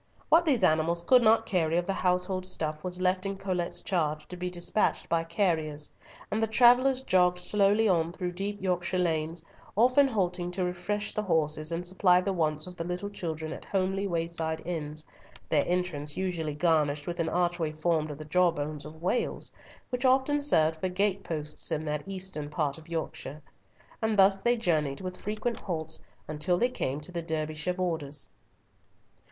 What these animals could not carry of the household stuff was left in Colet's charge to be despatched by carriers; and the travellers jogged slowly on through deep Yorkshire lanes, often halting to refresh the horses and supply the wants of the little children at homely wayside inns, their entrance usually garnished with an archway formed of the jawbones of whales, which often served for gate posts in that eastern part of Yorkshire. And thus they journeyed, with frequent halts, until they came to the Derbyshire borders.